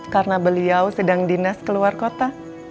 karena beliau sedang dinas keluar kota